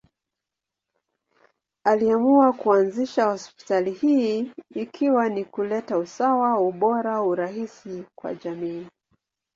Aliamua kuanzisha hospitali hii ikiwa ni kuleta usawa, ubora, urahisi kwa jamii.